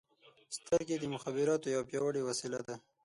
• سترګې د مخابراتو یوه پیاوړې وسیله ده.